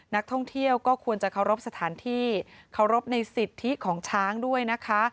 นักท่องเที่ยวก็ควรจะเคารพสถานที่เคารพในสิทธิของช้างด้วยนะคะ